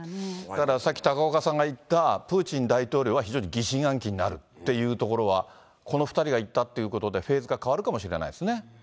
だからさっき高岡さんが言った、プーチン大統領は非常に疑心暗鬼になるっていうところは、この２人が行ったということで、フェーズが変わるかもしれないですね。